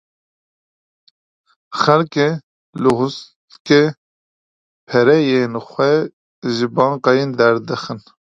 Xelkê Luhanskê pereyên xwe ji bankayan derdixin.